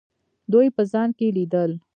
دوی په ځان کې لیدل.